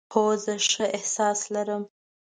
هو، زه ښه احساس لرم